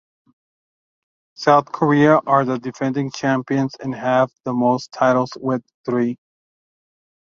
South Korea are the defending champions and have to most titles with three.